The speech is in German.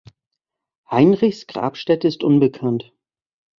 Heinrichs Grabstätte ist unbekannt.